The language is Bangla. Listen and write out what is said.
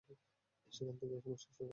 সেখান থেকেই সমস্যার শুরু।